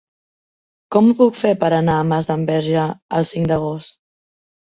Com ho puc fer per anar a Masdenverge el cinc d'agost?